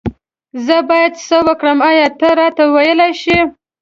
زه بايد سه وکړم آيا ته راته ويلي شي